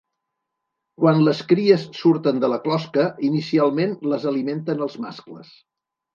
Quan les cries surten de la closca, inicialment les alimenten els mascles.